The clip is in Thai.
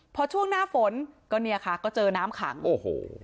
พอช่วงหน้าฝนก็เนี่ยค่ะก็เจอน้ำขังโอ้โห